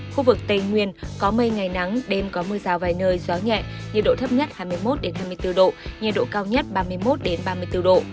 khu vực tây nguyên có mây ngày nắng đêm có mưa rào vài nơi gió nhẹ nhiệt độ thấp nhất hai mươi một hai mươi bốn độ nhiệt độ cao nhất ba mươi một ba mươi bốn độ